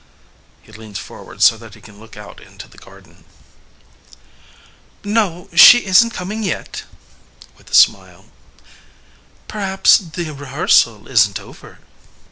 (He leans forward so that he can look out into the garden) FREDERIQUE No, she isn't coming yet. (With a smile) Perhaps the rehearsal isn't over.